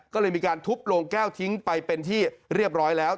ก็เลยมีการทุบโรงแก้วทิ้งไปเป็นที่เรียบร้อยแล้ว